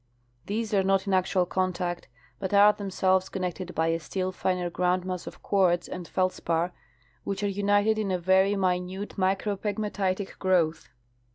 These are not in actual contact, but are themselves connected by a still finer groundmass of quartz and feldspar, nvhich are united in a very minute micropegmatitic growth.